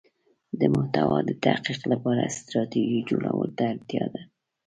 د محتوا د تحقق لپاره ستراتیژی جوړولو ته اړتیا ده.